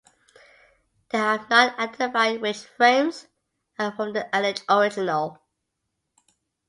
They have not identified which frames are from the alleged original.